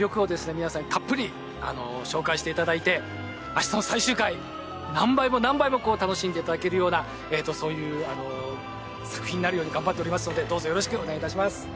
皆さんにたっぷり紹介していただいて明日の最終回何倍も何倍も楽しんでいただけるようなそういう作品になるように頑張っておりますのでどうぞよろしくお願いいたします